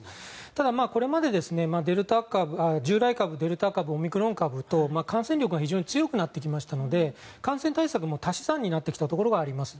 ただこれまで従来株、デルタ株オミクロン株と感染力が非常に強くなってきたので感染対策も、足し算になってきたところがあります。